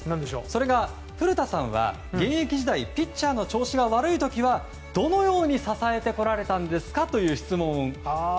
それが、古田さんは現役時代ピッチャーの調子が悪い時はどのように支えてこられたんですかという質問。